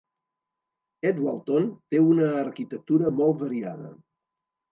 Edwalton té una arquitectura molt variada.